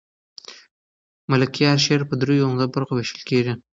د ملکیار شعر په دریو عمده برخو وېشل کېږي.